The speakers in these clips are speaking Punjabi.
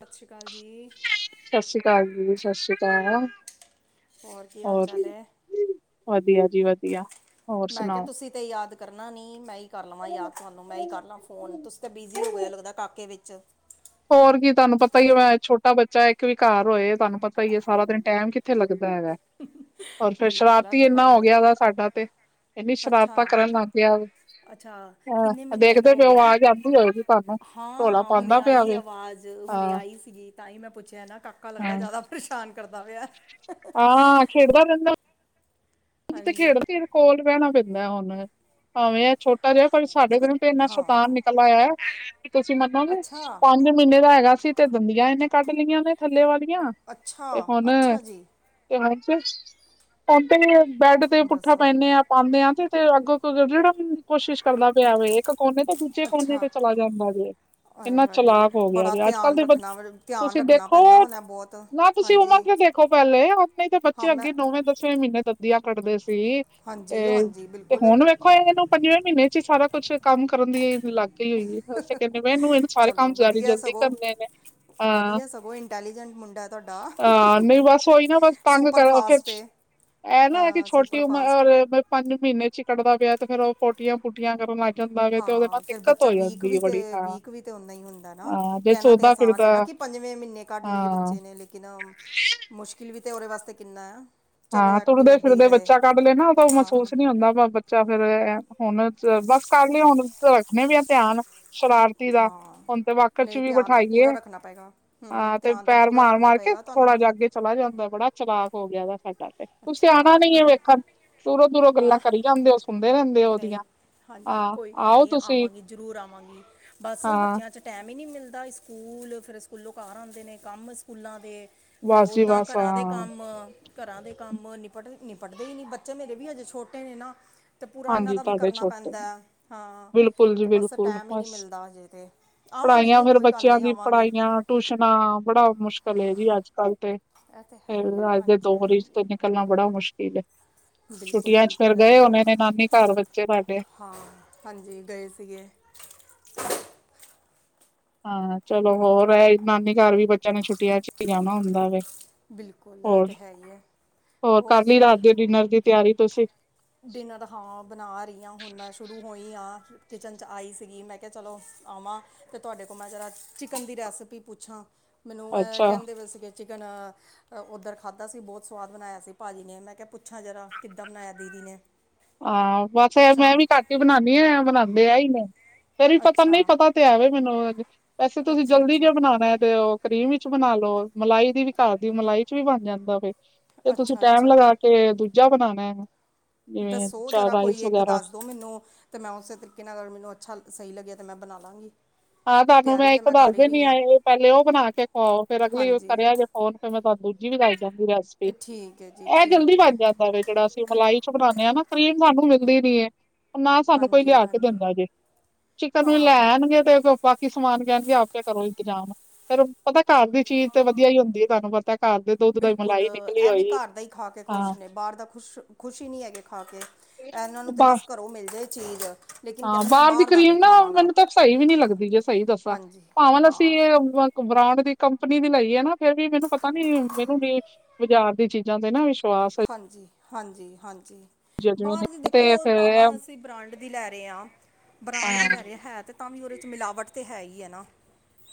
ਸਤਿ ਸ਼੍ਰੀ ਅਕਾਲ ਜੀ। ਸਤਿ ਸ੍ਰੀ ਅਕਾਲ ਜੀ, ਸਤਿ ਸ੍ਰੀ ਅਕਾਲ, ਕੀ ਹਾਲ ਹੋਰ? ਚਾਲ ਹੈ ਵਧੀਆ ਜੀ ਵਧੀਆ। ਹੋਰ ਮੈਂ ਕਿਆ ਸੁਣਾਓ? ਤੁਸੀਂ ਤੇ ਯਾਦ ਕਰਨਾ ਨੀ, ਮੈਂ ਈ ਕਰ ਲਵਾ ਯਾਦ ਤੁਹਾਨੂੰ, ਮੈਂ ਈ ਕਰ ਲਾ ਫੋਨ, ਤੁਸੀ ਤੇ ਬਿਜ਼ੀ ਹੋ ਗਏ ਹੋ, ਲੱਗਦਾ ਕਾਕੇ ਵਿੱਚ? ਹੋਰ ਕੀ, ਤੁਆਨੂੰ ਪਤਾ ਹੀ ਵੇ, ਛੋਟਾ ਬੱਚਾ ਏ, ਇੱਕ ਵੀ ਕਾਰ ਹੋਏ, ਤੁਹਾਨੂੰ ਪਤਾ ਹੀ ਏ, ਸਾਰਾ ਦਿਨ ਟੈਮ ਕਿੱਥੇ ਲੱਗਦਾ ਹੈਗਾ? ਹੋਰ ਫੇਰ ਬਿਲਕੁਲ ਆ ਸ਼ਰਾਰਤੀ ਤੇ ਹੈ ਇਨਾ ਹੋ ਹੀ ਹੈ ਗਿਆ ਦਾ ਸਾਡਾ ਤੇ, ਇਨੀ ਅੱਛਾ ਸ਼ਰਾਰਤਾ ਕਰਨ ਲੱਗ ਗਿਆ ਵੇ। ਅੱਛਾ ਕਿੰਨੇ ਹਹ ਮਹੀਨਿਆਂ ਦਾ ਦੇਖਦੇ ਹੋ ਬਓ, ਗਿਆ ਆਵਾਜ਼ ਆਉਂਦੀ ਹੋਏਗੀ ਤੁਆਨੂੰ, ਰੋਲਾ ਹਾਂ ਹੁਣੇ ਪਾਂਦਾ ਆਈ ਏ ਆਵਾਜ਼, ਹੁਣੇ ਆਈ ਸੀਗੀ, ਤਾਂ ਹੀ ਮੈਂ ਪੁੱਛਿਆ ਨਾ, ਕਾਕਾ ਲੱਗਦਾ ਹਾਂ ਜ਼ਿਆਦਾ ਪਰੇਸ਼ਾਨ ਕਰਦਾ ਬੇਆ। ਹਾਂ, ਖੇਡਦਾ ਰਹਿੰਦਾ ਤੇ ਹਾਂਜੀ ਖੇਡ ਕੋਲ ਰਹਿਣਾ ਪੈਂਦਾ ਹੁਣ, ਭਾਵੇਂ ਛੋਟ ਕਰ ਰਿ ਪਰ ਸਾਡੇ ਦੇਖੋ ਦਿਨ ਤੇ ਇੰਨਾ ਸ਼ਤਾਨ ਹਾਂ ਨਿਕਲ ਆਇਆ, ਕਿ ਤੁਸੀਂ ਮੰਨੋਗੇ ਅੱਛਾ ਪੰਜ ਮਹੀਨੇ ਦਾ ਹੈਗਾ ਸੀ ਤੇ ਦੰਦੀਆਂ ਇਹਨੇ ਕੱਢ ਲਈਆਂ ਨੇ ਥੱਲੇ ਵਾਲੀਆਂ, ਅੱਛਾ ਤੇ ਹੁਣ ਅੱਛਾ ਜੀ ਹੁਣ ਤੇ ਬੈਡ ਤੇ ਪੁੱਠਾ ਦੱਸੋ ਪੈਂਨੇ ਆ। ਪਾਉਂਦੇ ਆ ਤੇ ਅੱਗੋਂ ਰੜਨ ਦੀ ਕੋਸ਼ਿਸ਼ ਕਰਦਾ ਪਿਆ ਵੇ ਇੱਕ ਕੋਨੇ ਤੇ ਦੂਜੇ ਦੂਜੇ ਕੋਨੇ ਅੱਛਾ ਤੇ ਚਲਾ ਜਾਦਾ ਜੇ ਆਏ ਇੰਨਾ ਹਾਏ ਚਲਾਕ ਹੋ ਗਿਆ ਬੜਾ ਜੇ ਅੱਜ ਕੱਲ੍ਹ ਧਿਆਨ ਦੀ, ਰੱਖਣਾ ਵ- ਧਿਆਨ ਤੁਸੀਂ ਰੱਖਣਾ ਦੇਖੋ, ਪੈਂਦਾ ਹੋਣਾ ਬਹੁਤ ਨਾ ਤੁਸੀਂ ਉਮਾਰ ਹਾਂਜੀ ਤੇ ਦੇਖੋ ਦੇਖੋ ਪਹਿਲੇ ਆਪਣੇ ਤਾਂ ਹਾਂ ਬੱਚੇ ਮੈਂ ਅੱਗੇ ਨੌਵੇਂ ਦਸਵੇਂ ਮਹੀਨੇ ਦੰਦੀਆਂ ਕੱਢਦੇ ਸੀ। ਹਾਂਜੀ ਤੇ, ਹਾਂਜੀ ਤੇ ਬਿਲਕੁਲ ਹੁਣ ਵਖ ਦੇਖੋ ਇਹਨੂੰ ਪੰਜਵੇਂ ਮਹੀਨੇ ਚ ਹੀ ਸਾਰਾ ਕੁਛ ਕੰਮ ਕਰਨ ਦੀ ਲੱਗ ਹੀ ਹੋਈ ਹੈੇ ਕਹਿੰਦੇ ਮੈਨੂੰ ਇਹਨੂੰ ਇਹਨੂੰ, ਸਾਰੇ ਕੰਮ ਚਲੋ ਜਲਦੀ ਵਧੀਆ ਜਲਦੀ ਸਗੋ ਕਰਨੇ ਨੇ। ਹਾਂ, ਵਧੀਆ ਸਗੋ ਇੰਟੈਲੀਜੈਂਟ ਮੁੰਡਾ ਹੈ ਤੁਹਾਡਾ ਆਹ ਨਹੀਂ ਬਸ ਉਹੀ ਨਾ ਬਸ ਤੰਗ ਸੁਪਰ ਕਰਾਂ ਫਿਰ ਫਾਸਟ ਹੈ ਇਹ ਨਾ ਕਿ ਹਾਂ ਸੁਪਰ ਛੋਟੀ ਫਾਸਟ ਉਮਰ ਪੰਜ ਮਹੀਨੇ ਚ ਕੱਟਦਾ ਪਿਆ ਤੇ ਫੇਰ ਉਹ ਪੋਟੀਆਂ ਪੂਟੀਆਂ ਕਰਨ ਲੱਗਿਆ, ਹਾਂ, ਫਿਰ ਬੱਚਾ ਵੀਕ ਵੀ ਤੇ ਹਾਂ ਵੀਕ ਵੀ ਤੇ ਨਾ ਹੀ ਹੁੰਦਾ ਨਾ ਹਾਂ ਜੇ ਕਹਿਣਾ ਤੇ ਸੋਦਾ ਅਸਾਨ ਹੈ ਨਾ ਫਿਰਦਾ ਕਿ ਪੰਜਵੇਂ ਮਹੀਨੇ ਕੱਢ ਲਈ ਏ ਹਾਂ ਬੱਚੇ ਨੇ ਲੇਕਿਨ, ਮੁਸ਼ਕਿਲ ਵੀ ਤਾਂ ਉਹਦੇ ਵਾਸਤੇ ਕਿੰਨਾ ਐ। ਹਾਂ ਤੁਰਦੇ ਫਿਰਦੇ ਬੱਚਾ ਕੱਢ ਲੈਣਾ ਉਹ ਤਾਂ ਉਹ ਹਾਂ ਮਹਿਸੂਸ ਨੀ ਹੁੰਦਾ ਚੱਲ ਫਿਰ ਹੁਣ ਬਸ ਕਰ ਲਈ ਹੁਣ ਰੱਖਣੇ ਵੀ ਆ ਧਿਆਨ ਸ਼ਰਾਰਤੀ ਦਾ ਹਾਂ ਹੁਣ ਤੇ ਵਾਕਰ ਚ ਨਹੀਂ ਵੀ ਧਿਆਨ ਤੇ ਬਿਠਾਈਏ ਪੂਰਾ ਰੱਖਣਾ ਪਏਗਾ ਹੂੰ ਹਾਂ ਤੇ ਧਿਆਨ ਪੈਰ ਪੂਰਾ ਮਾਰ ਰੱਖਣਾ ਮਾਰ ਕੇ ਪਏਗਾ ਥੋੜਾ ਤੁਹਾਨੂੰ ਜਾ ਅਗੇ, ਚਲਾ ਜਾਂਦਾ ਬੜਾ ਚਲਾਕ ਹੋ ਗਿਆ ਵਾ ਸਾਡਾ ਤੇ, ਤੁ ਸਿਆਣਾ ਅੱਛਾ ਨੀ ਹੈ ਵੇਖਣ ਦੂਰੋਂ ਦੂਰੋਂ ਗੱਲਾਂ ਕਰੀ ਜਾਂਦੇ ਹੋ ਸੁਣਦੇ ਰਹਿੰਦੇ ਹੋ ਉਹਦੀਆਂ ਨਹੀ, ਹਾਂਜੀ ਹਾਂ ਕੋਈ ਗੱਲ ਆਓ ਨਹੀਂ ਤੁਸੀਂ ਆਵਾਂਗੀ ਜ਼ਰੂਰ ਆਵਾਂਗੀ ਬਸ ਹਾਂ ਬੱਚਿਆਂ ਚ ਟੈਮ ਹੀ ਨਹੀਂ ਮਿਲਦਾ ਸਕੂਲ ਫਰ ਸਕੂਲੋ ਘਰ ਆਉਂਦੇ ਨੇ ਕੰਮ ਸਕੂਲਾਂ ਦੇ ਫੇਰ ਬਸ ਜੀ ਓਦਾਂ ਬਸ ਘਰਾਂ ਦੇ ਹਾਂ ਕੰਮ, ਘਰਾਂ ਦੇ ਕੰਮ ਨਪਟਦੇ ਹੀ ਨਹੀਂ ਬੱਚੇ ਮਰੇ ਵੀ ਅਜੇ ਛੋਟੇ ਨੇ ਨਾ। ਤੇ ਪੂਰਾ ਇਹਨਾਂ ਹਾਂਜੀ ਦਾ ਵੀ ਤੁਹਾਡੇ ਕਰਨਾ ਛੋਟੇ ਪੈਂਦਾ ਨੇ, ਹੈ। ਹਾਂ ਬਿਲਕੁਲ ਜੀ ਤੇ ਬਸ ਬਿਲਕੁਲ ਟਾਈਮ ਹੀ ਨਹੀਂ ਬਸ, ਮਿਲਦਾ ਅਜੇ ਤੇ ਆਵਾਂਗੀ ਪੜ੍ਹਾਈਆਂ ਨਹੀਂ ਫਿਰ ਕੋਈ ਗੱਲ ਬੱਚਿਆਂ ਨਹੀਂ ਦੀ ਆਵਾਂਗੀ ਪੜ੍ਹਾਈਆਂ ਟਿਊਸ਼ਨਾਂ ਬੜਾ ਮੁਸ਼ਕਿਲ ਜੀ ਅੱਜ ਕੱਲ੍ਹ ਤੇ। ਇਹ ਤਾਂ ਹੈ ਹੀ ਆ ਹਾਂਜੀ-ਹਾਂਜੀ, ਕਰਨਾ ਬੜਾ ਮੁਸ਼ਕਿਲ ਏ, ਛੁੱਟੀਆਂ ਚੇ ਫੇਰ ਬਿਲਕੁਲ ਇਹ ਤੇ ਗਏ ਹੈ ਹੀ। ਹੋਨੇ ਨੇ ਨਾਨੀ ਘਰ ਬੱਚੇ ਸਾਡੇ, ਹਾਂ, ਹਾਂਜੀ ਗਏ ਸੀਗੇ। ਹਾਂ ਚਲੋ ਹੋਰ ਇਹ ਨਾਨੀ ਘਰ ਵੀ ਬੱਚਿਆਂ ਨੇ ਛੁੱਟੀਆਂ ਚ ਹੀ ਜਾਣਾ ਹੁੰਦਾ ਵੇ। ਬਿਲਕੁਲ ਇਹ ਹੋਰ, ਤੇ ਹੈ ਹੀ ਹੈ ਹੋਰ ਕਰ ਲਈ ਰਾਤ ਦੇ ਡਿਨਰ ਦੀ ਤਿਆਰੀ ਤੁਸੀਂ। ਡਿਨਰ ਹਾਂ ਬਣਾ ਰਹੀ ਹਾਂ ਹੁਣ ਮੈਂ ਸ਼ੁਰੂ ਹੋਈ ਹਾਂ। ਕਿਚਨ ਚ ਆਈ ਸੀਗੀ ਮੈਂ ਕਿਹਾ ਚਲੋ ਆਵਾਂ, ਤੇ ਤੁਹਾਡੇ ਕੋਲ ਮੈਂ ਜਰਾ ਚਿਕਨ ਦੀ ਰੈਸਪੀ ਪੁੱਛਾਂ, ਮੈਨੂੰ ਇਹ ਅੱਛਾ ਕਹਿੰਦੇ ਪਏ ਸੀਗੇ ਚਿਕਨ ਉੱਧਰ ਖਾਧਾ ਸੀ ਬਹੁਤ ਸਵਾਦ ਬਣਾਇਆ ਸੀ ਭਾਜੀ ਨੇ ਮੈਂ ਕਿਹਾ ਪੁੱਛਾਂ ਜਰਾ ਕਿੱਦਾਂ ਬਣਾਇਆ ਦੀ, ਦਿਨੇ, ਹਾਂ, ਬਸ ਮੈਂ ਵੀ ਘਟ ਹੀ ਬਣਾਉਦੀ ਆ ਬਣਾਉਂਦੇ ਆ ਹੀ ਨੇ। ਫਿਰ ਵੀ ਪਤਾ ਨਹੀਂ ਅੱਛਾ ਪਤਾ ਤੇ ਐਵੇ ਮੈਨੂੰ ਵੈਸੇ ਤੁਸੀਂ ਅੱਛਾ ਜਲਦੀ ਜੇ ਅੱਛਾ ਬਣਾਉਣਾ ਹੈ ਤੇ ਉਹ, ਕਰੀਮ ਵਿੱਚ ਬਣਾ ਲਓ ਮਲਾਈ ਦੀ ਵੀ ਘਰ ਦੀ ਮਲਾਈ ਚ ਵੀ ਬਣ ਜਾਂਦਾ ਫੇ ਤੇ ਤੁਸੀਂ ਅੱਛਾ ਟੈਮ ਅੱਛਾ ਲਗਾ ਕੇ ਤੇ ਦੂਜਾ ਬਣਾਉਣਾ ਹੈ ਜਿਵੇਂ, ਸੋ ਚਾਹ ਜਰਾ ਕੋਈ ਰਾਈਸ ਇੱਕ ਵਗੈਰਾ ਦੱਸ ਦੋ ਮੈਨੂੰ ਤੇ ਮੈਂ ੳਸੇ ਤਰੀਕਾ ਅੱਛਾ ਸਹੀ ਲੱਗਿਆ ਤੇ ਮੈਂ ਬਣਾ ਲਾਂਗੀ ਹਾਂ ਤੁਹਾਨੂੰ ਤਿਆਰੀ ਮੈਂ ਤੇ ਇੱਕ ਦੱਸ ਕਰ ਹੀ ਦਿਨੀ ਰਹੀ ਆ ਹਾਂ ਇਹ ਪਹਿਲੇ ਉਹ ਬਣਾ ਕੇ ਖੁਓ ਫੇਰ ਅਗਲੀ ਹਾਂਜੀ ਕਰਿਆ ਜੇ, ੳਰ ਫਿਰ ਮੈਂ ਤੁਹਾਨੂੰ ਦੂਜੀ ਵੀ ਦੱਸਦਾਂ ਗੀ ਰੈਸਪੀ ਇਹ ਠੀਕ ਹੈ ਜੀ ਇਹ ਠੀਕ ਜਲਦੀ ਹੈ ਬਣ ਜਾਂਦਾ ਵੇ। ਜਿਹੜਾ ਅਸੀਂ ਮਲਾਈ ਚ ਬਣਾਉਂਦੇ ਹਾਂ ਨਾ ਕਰੀਮ ਸਾਨੂੰ ਮਿਲਦੀ ਨੀ ਹੈ। ਨਾ ਸਾਨੂੰ ਕੋਈ ਹਾਂਜੀ ਲਿਆ ਕੇ ਹਾਂਜੀ ਦਿੰਦਾ ਜੈ ਚਿਕਨ ਨੂੰ ਹਾਂ ਲੈਣਗੇ। ਬਾਕੀ ਸਮਾਨ ਕਹਿਣ ਗੇ ਆਪੇ ਕਰੋ ਇੰਤਜ਼ਾਮ ਫੇਰ ਪਤਾ ਘਰ ਦੀ ਚੀਜ਼ ਤੇ ਵਧੀਆ ਹੀ ਹੁੰਦੀ ਹੈ ਤੁਹਾਨੂੰ ਪਤਾ, ਘਰ ਦੇ ਦੁੱਧ ਦੀ ਬਿਲਕੁਲ ਮਲਾਈ ਨਿਕਲੀ ਇਹ ਵੀ ਹੋਈ ਘਰ ਦਾ ਹੀ ਖਾ ਕੇ ਖੁਸ਼ ਹਾਂ। ਨੇ ਬਾਹਰ ਦਾ ਖੁਸ਼ ਖੁਸ਼ੀ ਨਹੀ ਹੈਗੇ ਖਾ ਕੇ ਇਹਨਾਂ ਨੂੰ ਤਾਂ ਬਾ ਬਸ ਘਰੋ ਮਿਲ ਜਾਏ ਚੀਜ਼, ਲੇਕਿਨ ਹਾਂ ਕਹਿੰਦੇ ਮੈਂ ਬਾਹਰ ਦੀ ਦਾ ਕਰੀਮ ਨਹੀਂ ਨਾ ਖਾਵਾਂਗਾ ਮੈਨੂੰ ਤਾਂ ਸਹੀ ਵੀ ਨੀ ਲੱਗਦੀ ਜੇ ਸਹੀ ਦੱਸਾਂ ਹਾਂਜੀ ਭਾਵੇ ਹਾਂ ਅਸੀਂ ਬ੍ਰਾਂਡ ਦੀ ਕੰਪਨੀ ਦੀ ਲਈ ਹੈ ਨਾ ਫਿਰ ਵੀ ਮੈਨੂੰ ਪਤਾ ਨੀ ਮੈਨੂੰ ਬਾਜ਼ਾਰ ਦੀ ਚੀਜ਼ਾਂ ਤੇ ਨਾ ਵਿਸ਼ਵਾਸ ਹਾਂਜੀ ਹਾਂਜੀ ਹਾਂਜੀ। ਜਿਵੇਂ ਬਾਹਰ ਦੀ ਦੇਖੋ ਤੇ ਫੇਰ ਭਾਵਾਂ ਅਸੀਂ ਬ੍ਰਾਂਡ ਦੀ ਲੈ ਰਹੇ ਆ ਬ੍ਰਾਂਡ ਦੀ ਲੈ ਹਾਂ ਰਹੇ ਹੈ ਤੇ ਤਾਂ ਵੀ ਉਹਦੇ 'ਚ ਮਿਲਾਵਟ ਤਾਂ ਹੈਈ ਐ ਨਾ।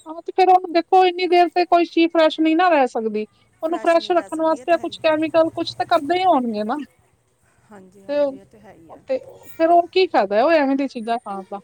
ਆਹੋ ਤੇ ਫੇਰ ਉਹਨੂੰ ਦੇਖੋ ਇੰਨੀ ਦੇਰ ਤੇ ਕੋਈ ਚੀਜ਼ ਫਰੈਸ਼ ਨਹੀ ਨਾ ਰਹਿ ਸਕਦੀ। ਉਹਨੂੰ ਫਰੈਸ਼ ਨਹੀਂ ਰਹਿ ਰੱਖਣ ਸਕਦੀ ਇਹ ਤੇ ਵਾਸਤੇ ਹੈ ਹੀ ਕੁਛ ਕੈਮੀਕਲ ਕੁਛ ਤਾਂ ਕਰਦੇ ਹੀ ਹੋਣਗੇ ਨਾ ਹਾਂਜੀ ਤੇ ਹਾਂਜੀ ਇਹ ਤਾਂ ਹੈਈ ਐ। ਤੇ ਫੇਰ ਉਹ ਕੀ ਫ਼ਾਇਦਾ ਓ ਐਵੇਂ ਦੀਆਂ ਚੀਜ਼ਾਂ ਖਾਣ ਦਾ।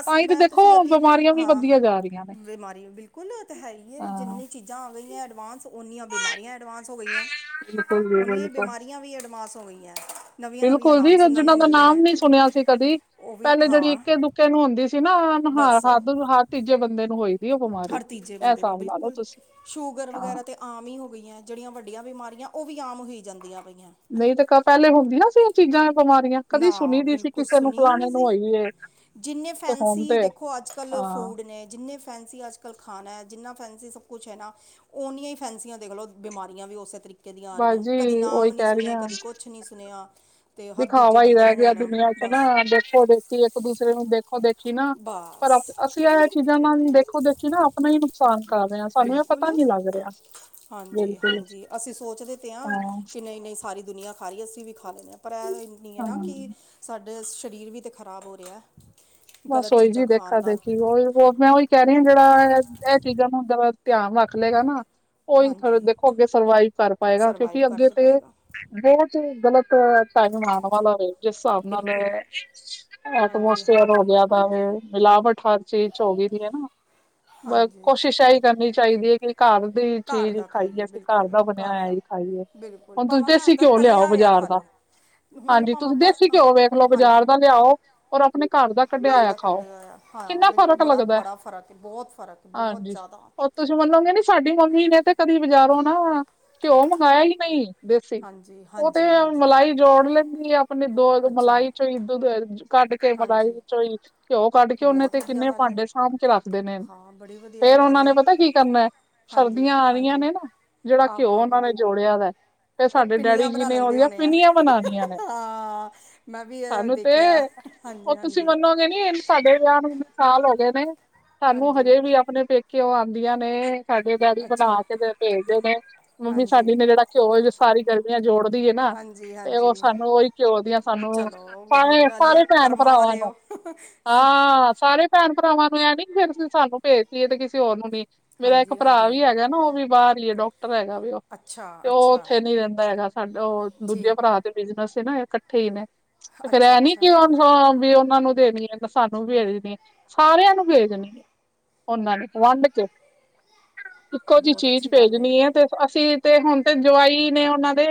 ਅਸੀਂ ਤਾਂ ਹੀ ਤੇ ਮੈਂ ਦੇਖੋ ਤੁਸੀਂ ਯਕੀਨ ਮੰਨ ਬਿਮਾਰੀਆਂ ਵੀ ਹਾਂ ਵਧੀ ਜਾ ਰਹੀਆਂ ਨੇ। ਬਿਮਾਰੀ ਬਿਲਕੁਲ ਓ ਤਾਂ ਹੈਈ ਏ ਹਾਂ ਜਿੰਨੀਆਂ ਚੀਜ਼ਾਂ ਆ ਗਈਆਂ ਐਡਵਾਂਸ। ਉਨੀਆਂ ਬਿਮਾਰੀਆਂ ਐਡਵਾਂਸ ਹੋ ਗਈਆਂ ਬਿਲਕੁਲ ਜੀ ਉਨੀਆਂ ਬਿਲਕੁਲ। ਬਿਮਾਰੀਆਂ ਵੀ ਐਡਵਾਂਸ ਹੋ ਗਈਆਂ। ਨਵੀਆਂ ਨਵੀਆਂ ਬਿਲਕੁਲ ਨਾਮ ਜੀ ਸੁਣਨ ਨੂੰ ਜਿਨਾਂ ਦਾ ਮਿਲਦੇ ਨਾਮ ਨੇ ਨੀ ਸੁਣਿਆ ਸੀ ਕਦੀ ਉਹ ਵੀ ਪਹਿਲੇ ਜਿਹੜੀ ਹਾਂ ਇੱਕੇ ਦੁ ਕੇ ਨੂੰ ਹੁੰਦੀ ਸੀ ਨਾ ਹੁਣ ਬਸ ਹਰ ਤੀਜੇ ਬੰਦੇ ਨੂੰ ਹੋਈ। ਦੀ ਉਹ ਬਿਮਾਰੀ ਹਰ ਤੀਜੇ ਇਹ ਬੰਦੇ ਨੂੰ ਹਿਸਾਬ ਲਾ ਲਓ ਬਿਲਕੁਲ ਤੁਸੀਂ ਸ਼ੂਗਰ ਹਾਂ ਵਗੈਰਾ ਤੇ ਆਮ ਹੀ ਹੋ ਗਈਆਂ ਏ। ਜਿਹੜੀਆਂ ਵੱਡੀਆਂ ਬਿਮਾਰੀਆਂ ਉਹ ਵੀ ਆਮ ਹੋਈ ਜਾਂਦੀਆਂ ਪਈਆਂ ਨੇ। ਨਹੀਂ ਤੇ ਪਹਿਲੇ ਹੁੰਦੀਆਂ ਸੀ ਉਹ ਚੀਜ਼ਾਂ ਬਿਮਾਰੀਆਂ ਕਦੀ ਸੁਣੀ ਨਾ ਨਹੀਂ ਸੀ ਬਿਲਕੁਲ ਕਿਸੇ ਨੂੰ ਸੁਣੀ ਫਲਾਣੇ ਨਹੀਂ ਨੂੰ ਸੀ ਹੋਈ ਏ। ਜਿੰਨੇ ਤੇ ਹੁਣ ਫੈਸੀ ਤੇ ਦੇਖੋ ਅੱਜ ਕੱਲ੍ਹ ਹਾਂ ਫੂਡ ਨੇ ਜਿੰਨੇ ਫੈਂਸੀ ਅੱਜ ਕੱਲ ਖਾਣਾ ਹੈ ਜਿੰਨਾ ਫੈਂਸੀ ਸਭ ਕੁਛ ਐ ਨਾ, ਓਨੀਆਂ ਹੀ ਫੈਸੀ ਆਂ ਦੇਖਲੋ ਬਿਮਾਰੀਆਂ ਵੀ ਉਸੇ ਤਰੀਕੇ ਤਰੀਕੇ ਦੀ ਆ ਬਸ ਰਹੀਆਂ ਕਦੇ ਜੀ ਨਾਮ ਉਹੀ ਨੀ ਕਹਿ ਰਹੀ ਸੁਣੇ ਹਾਂ ਕਦੀ ਕੁਛ ਨੀ ਸੁਣਿਆ ਤੇ ਹਰ ਦੂਜ ਹਵਾਈ [unintelligible] ਦੇਖੋ ਦੇਖੋ ਕਿ ਇੱਕ ਦੂਸਰੇ ਨੂੰ ਦੇਖੋ ਦੇਖੀ ਨਾ ਪਰ ਬਸ ਅਸੀ ਇਹ ਚੀਜ਼ਾਂ ਨਾਲ ਦੇਖੋ ਦੇਖੀ ਨਾ ਆਪਣਾ ਹੀ ਨੁਕਸਾਨ ਕਰ ਰਿਹਾਂ ਸਾਨੂੰ ਇਹ ਪਤਾ ਬਿਲਕੁਲ ਨੀ ਲੱਗ ਰਿਹਾ। ਹਾਂਜੀ ਬਿਲਕੁਲ ਹਾਂਜੀ ਅਸੀਂ ਸੋਚਦੇ ਤੇ ਹਾਂ ਕਿ ਨਹੀਂ ਨਹੀਂ ਸਾਰੀ ਦੁਨੀਆ ਸਾਰੀ ਅਸੀਂ ਵੀ ਖਾ ਲੈਂਦੇ ਹਾਂ ਪਰ ਇਹ ਇੰਨੀ ਐ ਨਾ ਹਾਂ ਕਿ ਸਾਡੇ ਸਰੀਰ ਵੀ ਤਾਂ ਖਰਾਬ ਹੋ ਰਿਹਾ। ਹੈ ਬਸ ਗਲਤ ਓਹੀ ਚੀਜ਼ਾਂ ਚੀਜ਼ ਖਾਣ ਦੇਖਾ ਨਾਲ ਦੇਖੀ [unintelligible] ਮੈਂ ਉਹੀ ਕਹਿ ਰਹੀ ਹਾਂ ਜਿਹੜਾ ਇਹ ਚੀਜ਼ਾਂ ਨੂੰ ਹੁੰਦਾ ਧਿਆਨ ਰੱਖ ਲਏਗਾ ਨਾ। ਉਹੀ ਥੋਹਾ ਹਾਂਜੀ ਦੇਖੋ ਅੱਗੇ ਸਰਵਾਈਵ ਕਰ ਪਾਏਗਾ ਸਰਵਾਈਵ ਕਿਉਂਕਿ ਕਰ ਅੱਗੇ ਜ ਤੇ ਪਾਏਗਾ ਬਹੁਤ ਹੀ ਗਲਤ ਟਾਈਮ ਆਣ ਵਾਲਾ ਵੈ ਜਿਸ ਹਿਸਾਬ ਨਾਲ ਬਿਲਕੁਲ ਹਾਂਜੀ ਐਟਮੋਸਫ਼ੇਆਰ ਹੋ ਹਾਂਜੀ ਗਿਆ ਨਾ ਹਾਂਜੀ ਮਿਲਾਵਟ ਹਰ ਚੀਜ਼ ਚ ਹੋ ਗਈ ਦੀ ਐ ਨਾ। ਬਸ ਹਾਂਜੀ ਕੋਸ਼ਿਸ਼ ਇਹੀ ਕਰਨੀ ਚਾਹੀਦੀ ਐ ਕਿ ਘਰ ਦੀ ਘਰ ਚੀਜ਼ ਦਾ ਖਾਈਏ ਘਰ ਬਿਲਕੁਲ ਦਾ ਬਣਿਆ ਘਰ ਹੋਇਆ ਦਾ ਹੀ ਖਾਈਏ ਬਿਲਕੁਲ ਹੁਣ ਤੁਸੀਂ ਭਾਵਾਂ ਦੇਸੀ ਘਰ ਦਾ ਘਿਓ ਲਿਆਓ ਤਲਿਆ ਹੋਇਆ ਬਾਜ਼ਾਰ ਖਾ ਦਾ। ਲਓ ਹੁਣ ਹਾਂਜੀ, ਭਾਵਾਂ ਤੁਸੀਂ ਆਪਾਂ ਦੇਸੀ ਅ, ਘਿਓ ਵੇਖ ਲਓ ਬਾਜ਼ਾਰ ਹਾਂਜੀ ਦਾ ਲਿਆਓ ਔਰ ਆਪਣੇ ਘਰ ਦਾ ਕੱਢ ਘਰ ਦਾ ਕੱਢਿਆ ਹੋਇਆ ਹਾਂ ਬਿਲਕੁਲ ਬੜਾ ਲੱਗਦਾ ਬੜਾ ਫਰਕ ਐ ਬਹੁਤ ਫਰਕ ਬਹੁਤ ਹਾਂਜੀ ਜ਼ਿਆਦਾ। ਤੁਸੀਂ ਮੰਨੋਗੇ ਨੀ ਸਾਡੀ ਮੰਮੀ ਨੇ ਤੇ ਕਦੀ ਬਜ਼ਾਰੋ ਨਾ ਘਿਓ ਮੰਗਾਇਆ ਹੀ ਨਹੀਂ। ਦੇਸੀ ਹਾਂਜੀ ਓ ਤੇ ਹਾਂਜੀ ਹਾਂਜੀ ਮਲਾਈ। ਜੋੜ ਲੈਂਦੀ ਆ ਆਪਣੇ ਦੋ ਅੱਛਾ ਮਲਾਈ ਚੋਂ ਹੀ ਦੁੱਧ ਕੱਢ ਕੇ ਮਲਾਈ ਹਾਂਜੀ ਚੋਂ ਈ। ਘਿਓ ਕੱਢ ਕੇ ਉਹਨੇ ਬਹੁਤ ਤੇ ਵਧੀਆ ਕਿੰਨੇ ਗੱਲ ਹੈ ਭਾਂਡੇ ਸਾਂਭ ਕੇ ਰੱਖਦੇ ਨੇ ਹਾਂ ਬੜੀ ਵਧੀਆ ਫੇਰ ਗੱਲ ਉਹਨਾਂ ਹੈ ਨੇ ਪਤਾ ਕੀ ਕਰਨਾ। ਹਾਂਜੀ ਸਰਦੀਆਂ ਆ ਰਹੀਆਂ ਹਾਂਜੀ ਨੇ ਨਾ ਜਿਹੜਾ ਘਿਓ ਆਹੋ ਉਹਨਾ ਆਹੋ ਨੇ ਜੋੜਿਆ ਵੈ! ਤੇ ਉਹ ਸਾਡੇ ਪਿੰਨੀਆਂ ਡੈਡੀ ਜੀ ਬਣਾ ਨੇ ਲੈਂਦੇ ਉਹਦੀਆਂ ਹੋਣੇ ਆ ਪਿੰਨੀਆਂ ਬਨਾਣੀਆਂ ਨੇ ਹਾਂ ਮੈਂ ਵੀ ਇਹ ਸਾਨੂੰ ਤੇ ਦੇਖਿਆ ਉਹ ਹਾਂਜੀ ਤੁਸੀਂ ਹਾਂਜੀ ਮੰਨੋਗੇ ਨੀ ਸਾਡੇ ਵਿਆਹ ਨੂੰ ਇੰਨੇ ਸਾਲ ਹੋ ਗਏ ਨੇ ਸਾਨੂੰ ਹਾਂਜੀ ਹਜੇ ਵੀ ਆਪਣੇ ਪੇਕੇ ਕਿਉਂ ਆਂਦੀ ਆਂ ਨੇ। ਸਾਡੇ ਡੈਡੀ ਬਣਾ ਅੱਛਾ ਕੇ ਤੇ ਭੇਜਦੇ ਨੇ ਮੰਮੀ ਹਾਂਜੀ ਸਾਡੀ ਨੇ ਜਿਹੜਾ ਘਿਓ ਜਿਹੜਾ ਸਾਰੀ ਗ ਰਮੀ ਜੋੜਦੀ ਏ ਨਾ ਹਾਂਜੀ ਤੇ ਉਹ ਹਾਂਜੀ ਸਾਨੂੰ ਉਹੀ ਘਿਓ ਦੀਆਂ ਸਾਨੂੰ ਚਲੋ ਵਧੀਆ ਸਰ ਗੱਲ ਹੈ ਸਾਰੇ ਭੈਣ ਕਰਮਾਂ ਭਰਾਵਾਂ ਨੂੰ। [unintelligible] ਹਾਂ, ਸਾਰੇ ਭੈਣ ਭਰਾਵਾਂ ਨੂੰ ਐ ਨੀ ਫੇਰ ਸੀਂ ਸਾਨੂੰ ਭੇਜਦੀ ਏ ਤੇ ਕਿਸੇ ਹੋਰ ਨੂੰ ਨਹੀਂ। ਮੇਰਾ ਇੱਕ ਹਾਂਜੀ ਭਰਾ ਹਾਂਜੀ ਵੀ ਹੈਗਾ ਨਾ ਉਹ ਵੀ ਬਾਹਰ ਹੀ ਡਾਕਟਰ ਹੈਗਾ ਵੀ। ਅੱਛਾ ਤੇ ਉਹ ਅੱਛਾ ਉੱਥੇ ਨੀ ਰਹਿੰਦਾ ਹੈਗਾ ਸਾਡਾ ਉਹ ਦੂਜੇ ਠੀਕ ਭਰਾ ਦੇ ਬਿਜਨਸ ਨਾ ਠੀ ਨੇ ਤੇ ਫੇਰ ਅੱਛਾ ਇਹ ਨੀ ਕਿ ਅੱਛਾ ਵੀ ਉਹਨਾ ਨੂੰ ਦੇਣੀ ਐ ਸਾਨੂੰ ਵੀ ਦੇਣੀ ਐ। ਸਾਰਿਆਂ ਨੂੰ ਭੇਜਣੀ। ਉਹਨਾਂ ਨੇ ਵੰਡ ਕੇ, ਇੱਕੋ ਜਿਹੀ ਬਹੁਤ ਚੀਜ਼ ਅੱਛੀ ਗੱਲ ਭੇਜਣੀ ਹੈ ਤੇ ਅਸੀਂ ਤੇ ਹੁਣ ਤੇ ਜਵਾਈ ਨੇ ਉਹਨਾਂ ਦੇ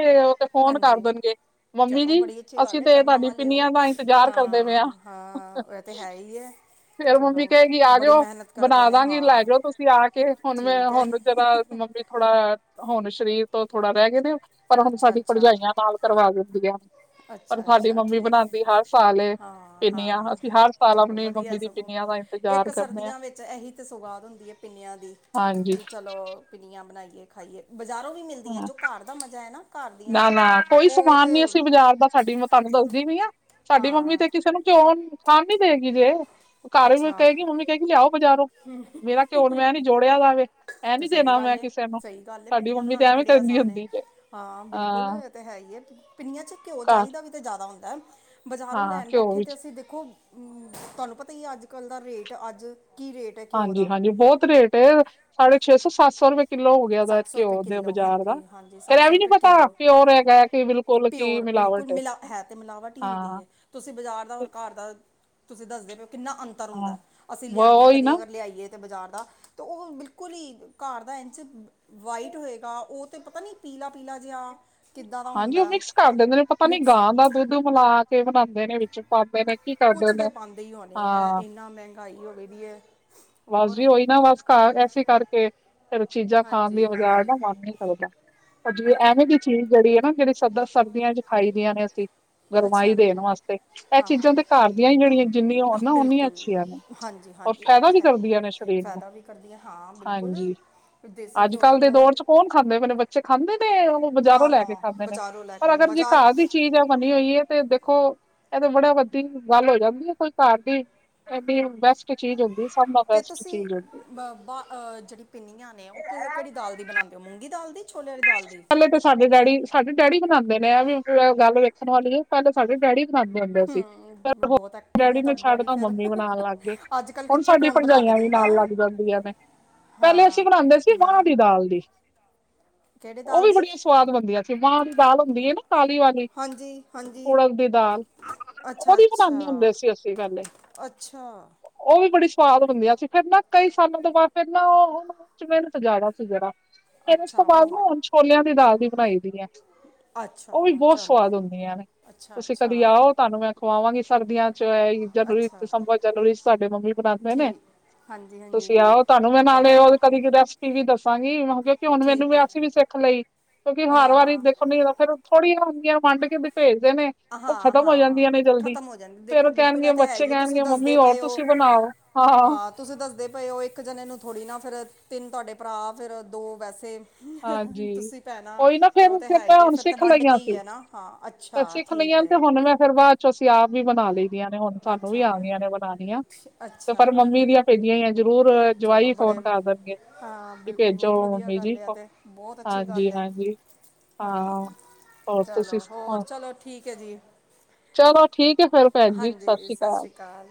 ਫੋਨ ਕਰ ਹਾਂਜੀ ਦੇਣਗੇ, ਮੰਮੀ ਚਲੋ ਜੀ ਬੜੀ ਅੱਛੀ ਗੱਲ ਅਸੀਂ ਹੈ ਤੇ ਕਰਮਾਂ ਤੁਹਾਡੀ ਵਾਲੇ ਹੋ ਪਿੰਨੀਆਂ ਦਾ ਇੰਤਜ਼ਾਰ। ਕਰਦੇ ਪਏ ਆ ਹਾਂ ਹਾਂ ਇਹ ਤਾਂ ਹੈ ਹੀ ਹੈ ਫੇਰ ਮੰਮੀ ਚਲੋ ਕਹੇਗੀ ਆ ਬੜੀ ਜਾਓ ਮਿਹਨਤ ਕਰਦੇ ਬਣਾ ਨੇ ਦਵਾਂਗੀ ਲੈ ਹਾਂ ਜਾਓ ਤੁਸੀਂ ਆ ਕੇ ਹੁਣ ਮੈਂ ਠੀਕ ਹੈ ਹੁਣ ਥੋੜ੍ਹਾ ਮੰਮੀ ਥੋੜਾ ਹੁਣ ਸਰੀਰ ਤੋਂ ਥੋੜਾ ਰਹਿ ਗਏ ਨੇ, ਪਰ ਹੁਣ ਅੱਛਾ ਸਾਡੀ ਅੱਛਾ ਭਰਜਾਈਆਂ ਨਾਲ ਕਰਵਾ ਦਿੰਦੀਆ ਅੱਛਾ, ਅੱਛਾ ਠੀਕ ਹੈ ਏ ਹਾਂ, ਪਿੰਨੀਆਂ ਹਾਂ ਅਸੀਂ ਹਰ ਸਾਲ ਚਲੋ ਆਪਣੀ ਵਧੀਆ ਮੰਮੀ ਦੀ ਸਗੋਂ, ਪਿੰਨੀਆਂ ਦਾ ਇੰਤਜ਼ਾਰ ਇੱਕ ਕਰਨੇ ਆ ਸਰਦੀਆਂ ਵਿੱਚ ਇਹੀ ਤਾਂ ਸੁਗਾਦ ਹੁੰਦੀ ਹੈ ਪਿੰਨੀਆਂ ਦੀ, ਹਾਂਜੀ ਫਿਰ ਚਲੋ ਪਿੰਨੀਆਂ ਬਣਾਈਏ ਖਾਈਏ, ਬਜ਼ਾਰੋਂ ਵੀ ਮਿਲਦੀਆਂ ਹਾਂ ਜੋ ਘਰ ਦਾ ਮਜ਼ਾ ਹੈ ਨਾ ਘਰ ਦੀਆਂ ਨਾ ਦਾ ਨਾ ਕੋਈ ਉਹ ਸਮਾਨ ਤੇ ਨੀ ਅਸੀਂ ਬਾਜ਼ਾਰ ਦਾ ਸਾਡੀ ਮੈਂ ਤੁਹਾਨੂੰ ਦੱਸਦੀ ਵੀ ਆ ਸਾਡੀ ਮੰਮੀ ਹਾਂ ਤੇ ਕਿਸੇ ਨੂੰ ਘਿਉ ਖਾਣ ਨੀ ਦੇਗੀ ਜੇ ਘਰ ਵੀ ਅੱਛਾ ਕਹੇਗੀ ਮੰਮੀ ਕਹੇਗੀ ਲਿਆਓ ਬਜ਼ਾਰੋਂ, ਮੇਰਾ ਘਿਓ ਮੈਂ ਨੀ ਜੋੜਿਆ ਜਾਵੇ ਇਹ ਤੇ ਨੀ ਦੇਣਾ ਮੈਂ ਕਿਸੇ ਨੂੰ, ਸਾਡੀ ਮੰਮੀ ਤੇ ਐਵੇਂ ਬੜੇ ਕਹਿੰਦੀ ਆਸਾਨ ਹੁੰਦੀ ਜੇ ਹਾਂ ਬਿਲਕੁਲ ਤੇ ਹੈ ਹੀ ਹੈ ਪਿੰਨੀਆਂ ਚ ਘਿਓ ਘਰ ਚਾਹੀਦਾ ਵੀ ਤੇ ਜ਼ਿਆਦਾ ਹੁੰਦਾ ਹੈ, ਬਜ਼ਾਰੋਂ ਹਾਂ ਲੈਣ ਘਿਓ ਬੈਠੇ ਵਿੱਚ ਤੇ ਅਸੀਂ ਦੇਖੋ ਤੁਹਾਨੂੰ ਪਤਾ ਹੀ ਅੱਜ ਕੱਲ੍ਹ ਦਾ ਰੇਟ ਅੱਜ ਕੀ ਰੇਟ ਹੈ ਘਿਓ ਹਾਂਜੀ- ਦਾ ਹਾਂਜੀ ਬਹੁਤ ਰੇਟ ਸਾਢੇ ਛੇ ਸੌ, ਸੱਤ ਸੌ ਰੁਪਏ ਕਿੱਲੋ ਹੋ ਗਿਆ ਉਹਦਾ ਸੱਤ ਸੌ ਰੁਪਏ ਘਿਓ ਦੇ ਕਿੱਲੋ ਬਾਜ਼ਾਰ ਦਾ, ਹਾਂਜੀ ਹਾਂਜੀ ਫੇਰ ਸੱਤ ਇਹ ਸੌ ਵੀ ਨੀ ਰੁਪਏ ਪਤਾ ਕਿੱਲੋ ਪਿਓਰ ਹੈਗਾ ਕਿ ਬਿਲਕੁਲ ਕੁਲ ਕੀ ਪਿਓਰ ਬਿਲਕੁਲ ਮਿਲਾਵਟ ਹੈ ਮਿਲਾ ਤੇ ਮਿਲਾਵਟ ਹੀ ਹੁੰਦੀ ਹਾਂ ਹੈ ਤੁਸੀਂ ਬਾਜ਼ਾਰ ਦਾ ਤੇ ਔਰ ਘਰ ਦਾ ਤੁਸੀਂ ਦੱਸਦੇ ਪਏ ਕਿੰਨਾ ਅੰਤ ਅੰਤਰ ਹਾਂ ਹੁੰਦਾ, ਅਸੀਂ ਵ ਲਿਆਦੇ ਹਾਂ ਉਹੀ ਕਦੀ ਨਾ ਅਗਰ ਲਿਆਈਏ ਬਜ਼ਾਰ ਦਾ ਤਾਂ ਉਹ ਬਿਲਕੁਲ ਹੀ ਘਰ ਦਾ ਇੰਨ 'ਚ ਵਾਈਟ ਹੋਏਗਾ ਉਹ ਤੇ ਪਤਾ ਨੀ ਪੀਲਾ- ਪੀਲਾ ਜਿਹਾ। ਕਿੱਦਾਂ ਦਾ ਹਾਂਜੀ ਉਹ ਹੁੰਦਾ ਮਿਕਸ ਕਰ ਦਿੰਦੇ ਨੇ ਪਤਾ ਨੀ ਮਿਕਸ ਗਾਂ ਦਾ ਦੁੱਧ ਮਿਲਾ ਕ ਕਿ ਬਣਾਉਂਦੇ ਨੇ ਵਿੱਚ ਪਾਉਂਦੇ ਨੇ ਕੀ ਕਰਦੇ ਕੁਛ ਤੇ ਨੇ, ਪਾਉਂਦੇ ਹੀ ਹੋਣੇ ਆ ਹਾਂ ਇੰਨਾ ਮਹਿੰਗਾਈ ਹੋ ਗਈ ਦੀ ਹੈ ਬਸ ਹੋਰ ਵੀ ਉਹੀ ਨਾ ਬਸ ਘਰ ਐੇਸੇ ਕਰਕੇ ਫਿਰ ਚੀਜ਼ਾਂ ਖਾਣ ਦੀ ਹਾਂਜੀ ਬਗਾਰ ਹਾਂਜੀ ਦਾ ਮਨ ਨੀਂ ਲੱਗਦਾ ਹਾਂਜੀ ਮੈਂ ਤੇ ਐਵੇਂ ਦੀ ਚੀਜ਼ ਜਿਹੜੀ ਹੈ ਨਾ ਜਿਹੜੀ ਸਰਦਾ ਸਰਦੀਆਂ ਚ ਖਾਈ ਦੀਆਂ ਨੇ ਅਸੀਂ ਗਰਮਾਈ ਅੱਛਾ ਦੇਣ ਵਾਸਤੇ ਇਹ ਹਾਂ ਚੀਜ਼ਾਂ ਤੇ ਘਰ ਦੀਆਂ ਹੀ ਜਿਹੜੀਆਂ ਜਿੰਨੀਆਂ ਅਹ ਹੋਣ ਓਨੀਆਂ ਬਿਲਕੁਲ ਅੱਛੀਆਂ ਨੇ ਹਾਂਜੀ ਹਾਂਜੀ ਇਹ ਫਾਇਦਾ ਤਾਂ ਵੀ ਹੈ ਹੀ ਕਰਦੀਆਂ ਨੇ ਸਰੀਰ ਨੂੰ ਫਾਇਦਾ ਵੀ ਕਰਦੀ ਹ ਹਾਂ ਬਿਲਕੁਲ ਹਾਂਜੀ ਦੇਸੀ ਅੱਜ ਘਿਓ ਤਾਂ ਕੱਲ੍ਹ ਦੇ ਬਹੁਤ ਦੌਰ ਚ ਕੌਣ ਖਾਂਦੇ, ਅਪਣੇ ਬੱਚੇ ਖਾਂਦੇ ਨੇ ਉਹ ਬਜ਼ਾਰੋਂ ਨਾ ਲੈ ਕੇ ਨਾ ਖਾਂਦੇ ਨੇ, ਬਾਜ਼ਾਰੋਂ ਲੈ ਪਰ ਕੇ ਅਗਰ ਜੇ ਬਾਜ਼ਾਰ ਘਰ ਦੀ ਚੀਜ਼ ਹੈ ਬਣੀ ਹੋਈ ਹੈ ਤੇ ਦੇਖੋ ਇਹਦੇ ਬੜਾ ਵੱਡੀ ਗੱਲ ਹੋ ਜਾਂਦੀ ਹੈ ਕੋਈ ਘਰਦੀ ਇੰਨੀ ਬੈਸਟ ਇਕ ਚੀਜ਼ ਹੁੰਦੀ ਸਭ ਦਾ ਤੇ ਬੈਸਟ ਤੁਸੀਂ ਚੀਜ਼ ਹੁੰਦੀ ਹੈ ਜਿਹੜੀ ਪਿੰਨੀਆਂ ਨੇ, ਉਹ ਕਿਹੜੀ ਦਾਲ ਦੀ ਬਣਾਉਦੇ ਹੋ ਮੂੰਗੀ ਦਾਲ ਦੀ ਛੋਲਿਆਂ ਵਾਲੀ ਦਾਲ ਦੀ ਪਹਿਲੇ ਤਾਂ ਸਾਡੇ ਡੈਡੀ, ਸਾਡੇ ਡੈਡੀ ਬਨਾਉਂਦੇ ਨੇ ਵੀ ਗੱਲ ਵੇਖਣ ਵਾਲੀ ਹੈ ਪਹਿਲਾਂ ਸਾਡੇ ਡੈਡੀ ਬਣਾਉਦੇ ਹੁੰਦੇ ਸੀ ਹੂੰ ਬਹੁਤ ਐਕਟਿਵ ਡੈਡੀ ਨੇ ਤੁਹਾਡੇ ਛੱਡ ਤਾ ਫਿਰ ਮੰਮੀ ਬਣਾਉਣ ਲੱਗ ਗਏ ਅੱਜ ਕੱਲ ਹੁਣ ਕਿੱਥੇ ਸਾਡੀ ਕੌਣ ਬਣਾ ਕੇ ਭਰਜਾਈਆਂ ਵੀ ਦਿੰਦਾ ਨਾਲ ਲੱਗ ਹੈ? ਜਾਂਦੀਆਂ ਨੇ, ਪਹਿਲੇ ਅਸੀਂ ਹਾਂ ਬਣਾਉਂਦੇ ਸੀ ਮਾਂਹ ਮੈਂ ਦੀ ਦਾਲ ਦੀ ਕਿਹੜੇ ਉਹ ਦਾਲ ਵੀ ਦੀ ਬੜੀਆਂ ਸਵਾਦ ਬਣਦੀਆਂ ਸੀ, ਮਾਂਹ ਦੀ ਦਾਲ ਹੁੰਦੀ ਹੈ ਨਾ ਕਾਲੀ ਵਾਲੀ, ਹਾਂਜੀ ਹਾਂਜੀ ਉੜਦ ਦੀ ਦਾਲ ਅੱਛਾ ਉਹਦੀ ਬਣਾਉਂਦੇ ਅੱਛਾ ਹੁੰਦੇ ਸੀ ਅਸੀਂ ਪਹਿਲੇ ਅੱਛਾ ਉਹ ਵੀ ਬੜੀ ਸਵਾਦ ਹੁੰਦੀਆਂ ਸੀ ਫੇਰ ਨਾ ਕਈ ਸਾਲਾਂ ਤੋਂ ਬਾਅਦ ਫੇਰ ਨਾ ਉਹ ਉਹਨੂੰ 'ਚ ਮਿਹਨਤ ਸੀ ਜਿਆਦਾ ਜਰਾ ਫਿਰ ਉਸ ਅੱਛਾ ਤੋਂ ਬਾਅਦ ਉਹ ਨਾ ਹੁਣ ਛੋਲਿਆਂ ਦੀ ਦਾਲ ਦੀ ਬਣਾਈ ਦੀ ਐ, ਉਹ ਵੀ ਅੱਛਾ ਬਹੁਤ ਚਲੋ ਸਵਾਦ ਹੁੰਦੀਆਂ ਨੇ। ਅੱਛਾ ਤੁਸੀਂ ਕਦੀ ਅੱਛਾ ਆਓ ਤਹਾਨੂੰ ਮੈਂ ਖਵਾਵਾਂਗੀ ਸਰਦੀਆਂ ਚ ਐ ਈ ਜਨਵਰੀ ਅੱਛਾ ਦਸੰਬਰ ਜਨਵਰੀ ਚ ਤੁਹਾਡੇ ਮੰਮੀ ਬਣਾਉਦੇ ਨੇ, ਠੀਕ ਹਾਂਜੀ ਹਾਂਜੀ ਤੁਸੀਂ ਆਓ ਤੁਹਾਨੂੰ ਮੈਂ ਨਾਲੇ ਚਲੋ ਓ ਕਦੀ ਕੀ ਰੈਸ ਰੈਸਪੀ ਵੀ ਦੱਸਾਂਗੀ ਕਿਉਂਕਿ ਹੁਣ ਮੈਨੂੰ ਠੀਕ ਵੀ ਹੈ ਅਸੀ ਵੀ ਸਿੱਖ ਲਈ, ਕਿਉਂਕਿ ਹਰ ਵਾਰੀ ਹਾਂ ਦੇਖੋ ਨੀ ਤਾਂ ਫੇਰ ਥੋੜੀ ਨਾ ਹੁੰਦੀਆਂ ਵੰਡ ਕੇ ਬਈ ਭੇਜਦੇ ਨੇ। ਉਹ ਹਾਂ ਖ਼ਤਮ ਹੋ ਹਾਂ ਜਾਂਦੀਆਂ ਨੇ ਜਲਦੀ, ਖਤਮ ਹੋ ਜਾਂਦੀ ਫੇਰ ਦੇਖੋ ਉਹ ਬਿਲਕੁਲ ਆ ਕਹਿਣਗੇ ਤੇ ਹੈ ਹੀ ਬੱਚੇ ਹੈ, ਤੁਸੀਂ ਕਹਿਣਗੇ ਦੱਸਦੇ ਮੰਮੀ ਹੋਰ ਪਏ ਹੋ ਤੁਸੀਂ ਬਣਾਓ। ਹਾ ਆ ਹਾ। ਹਾਂ, ਤੁਸੀਂ ਦੱਸਦੇ ਪਏ ਔ, ਇੱਕ ਜਣੇ ਨੂੰ ਥੋੜੀ ਨਾ ਫੇਰ ਤਿੰਨ ਤਾਡੇ ਭਰਾ ਫੇਰ ਦੋ ਵੈਸੇ। ਹਾਂਜੀ ਤੁਸੀਂ ਭੈਨਾ ਉਹੀ ਨਾ ਤੇ ਔ ਫੇਰ ਤੇ ਹੈ ਮੈਂ ਈ ਏ। ਹੁਣ ਫੇਰ ਤੇ ਵੰਡ ਕੇ ਈ ਐ ਨਾ ਹਾਂ, ਅੱਛਾ। ਰੱਖ ਲਈ ਠੀਕ ਐਣ ਹੈ ਤੇ ਹੁਣ ਮੈਂ ਫੇਰ ਬਾਦ ਚੋ ਅਸੀਂ ਆਪ ਵੀ ਬਣਾ ਲਈ ਦੀਆਂ ਨੇ। ਹੁਣ ਸਾਨੂੰ ਵੀ ਅੱਛਾ ਆ ਗਈਆਂ ਨੇ ਬਣਾਣੀਆਂ। ਅੱਛਾ। ਭੀਜੀਆ ਹੋਈ ਜਰੂਰ ਚਲੋ ਜਵਾਈ ਫੋਨ ਬੜੇ ਕਰ ਦੇਣਗੇ, ਹਾਂ ਕਿ ਬਿਲਕੁਲ ਭੇਜੋ ਬਹੁਤ ਵਧੀਆ ਮੰਮੀ ਗੱਲ ਜੀ। ਹੈ ਆ ਤੇ ਬਹੁਤ ਅੱਛੀ ਹਾਂਜੀ, ਗੱਲ ਹੈ ਹਾਂਜੀ। ਹਾਂ, ਹੋਰ ਤੁਸੀਂ ਚਲੋ ਹੋਰ, ਸੁਣਾਓ ਚਲੋ ਠੀਕ ਹੈ ਜੀ। ਚਲੋ ਠੀਕ ਹੈ ਫੇਰ ਭੈਣ ਜੀ ਸਤਿ ਹਾਂਜੀ, ਸਤ ਅਕਾਲ ਸ਼੍ਰੀ ਕਾਲ।